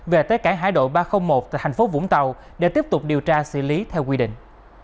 về tới cảng hải đội ba trăm linh một tại thành phố vũng tàu để tiếp tục điều tra xử lý theo quy định